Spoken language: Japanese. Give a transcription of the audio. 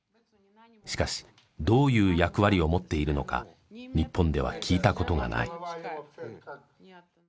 しかしどういう役割を持っているのか日本では聞いたことがない。